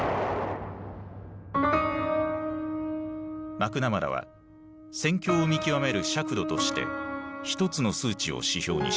マクナマラは戦況を見極める尺度として一つの数値を指標にした。